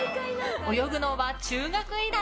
泳ぐのは中学以来。